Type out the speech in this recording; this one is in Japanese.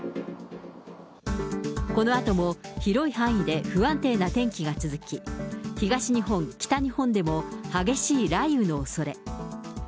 このあとも広い範囲で不安定な天気が続き、東日本、北日本でも激しい雷雨のおそれ。